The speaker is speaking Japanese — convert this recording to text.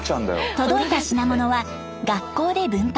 届いた品物は学校で分配。